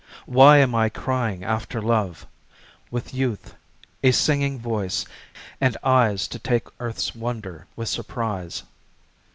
Why am I crying after love, With youth, a singing voice, and eyes To take earth's wonder with surprise?